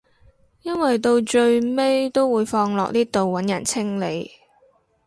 因為到最尾都會放落呢度揾人清理